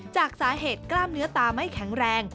จากสาเหตุกล้ามเนื้อตาไม่แข็งแรง